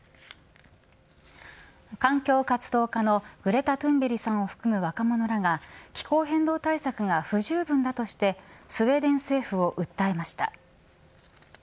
環境活動家のグレタ・トゥンベリさんを含む若者らが気候変動対策が不十分だとしてスウェーデン政府を訴えました。